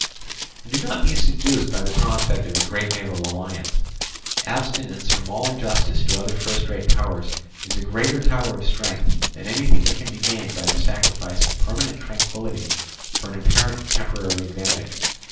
And do not be seduced by the prospect of a great naval alliance. Abstinence from all injustice to other first rate powers is a greater tower of strength than anything that can be gained by the sacrifice of permanent tranquillity for an apparent temporary advantage.